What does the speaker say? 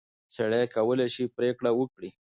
سړی کولای شي پرېکړه وکړي.